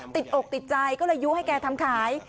อกติดใจก็เลยยู้ให้แกทำขาย